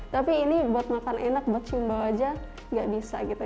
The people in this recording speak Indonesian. tapi ini buat makan enak buat simbol aja gak bisa gitu